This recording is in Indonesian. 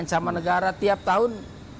ancaman negara tiap tahun